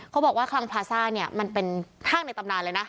บอกว่าคลังพลาซ่าเนี่ยมันเป็นห้างในตำนานเลยนะ